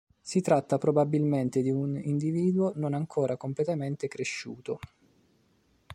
Si tratta probabilmente di un individuo non ancora completamente cresciuto.